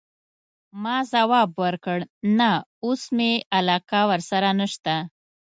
ما ځواب ورکړ: نه، اوس مي علاقه ورسره نشته.